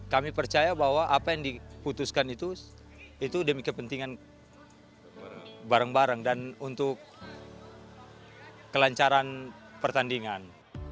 kami percaya bahwa apa yang diputuskan itu itu demi kepentingan barang barang dan untuk kelancaran pertandingan